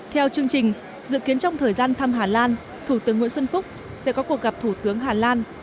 theo chương trình dự kiến trong thời gian thăm hà lan thủ tướng nguyễn xuân phúc sẽ có cuộc gặp thủ tướng hà lan